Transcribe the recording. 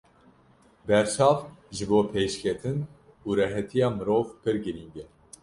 Berçavk ji bo pêşketin û rehetiya mirov pir girîng e.